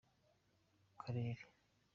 akarere.